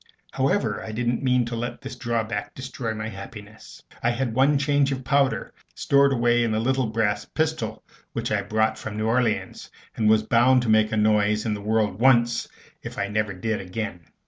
However, I didn't mean to let this drawback destroy my happiness. I had one charge of powder stowed away in the little brass pistol which I brought from New Orleans, and was bound to make a noise in the world once, if I never did again.